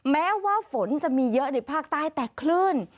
แม้ว่าฝนจะมีเยอะในภาคใต้แต่คลื่น